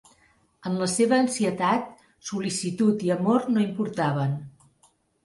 En la seva ansietat, sol·licitud i amor no importaven.